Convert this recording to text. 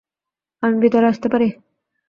আমি ভিতরে আসতে পারি?